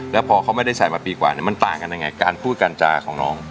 แล้วพอเขาไม่ได้ใส่มาปีกว่ามันต่างกันยังไงการพูดการจาของน้อง